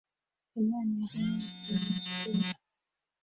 Umwana arimo gukina na siporo